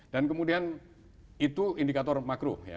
dan kemudian itu indikator makro